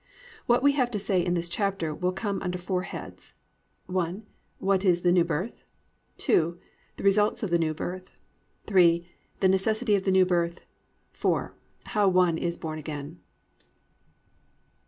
What we have to say in this chapter will come under four heads: I. What Is the New Birth? II. The Results of the New Birth, III. The Necessity of the New Birth, IV. How One Is Born Again.